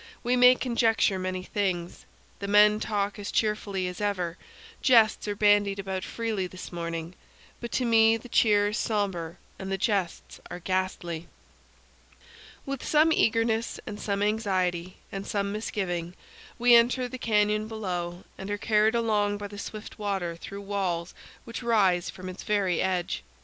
we may conjecture many things. The men talk as cheerfully as ever; jests are bandied about freely this morning; but to me the cheer is somber and the jests are ghastly. With some eagerness and some anxiety and some misgiving we enter the canyon below and are carried along by the swift water through walls which rise from its very edge.